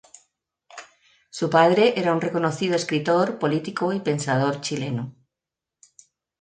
Su padre era un reconocido escritor, político y pensador chileno.